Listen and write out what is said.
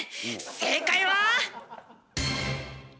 正解は。